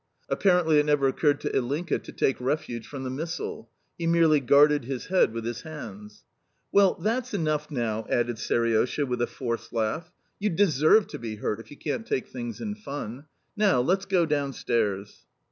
Apparently it never occurred to Ilinka to take refuge from the missile; he merely guarded his head with his hands. "Well, that's enough now," added Seriosha, with a forced laugh. "You DESERVE to be hurt if you can't take things in fun. Now let's go downstairs."